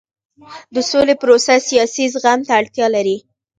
د سولې پروسه سیاسي زغم ته اړتیا لري